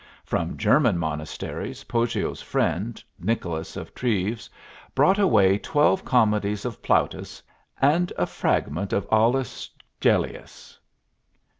From German monasteries, Poggio's friend, Nicolas of Treves, brought away twelve comedies of Plautus and a fragment of Aulus Gellius.